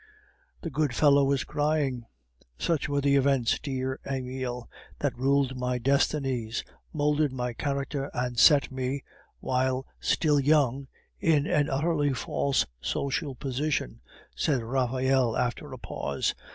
"The good fellow was crying. "Such were the events, dear Emile, that ruled my destinies, moulded my character, and set me, while still young, in an utterly false social position," said Raphael after a pause.